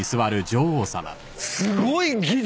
すごい技術！